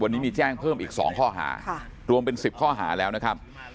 วันนี้มีแจ้งเพิ่มอีก๒ข้อหารวมเป็น๑๐ข้อหาแล้วนะครับ